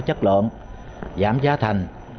chất lượng giảm giá thành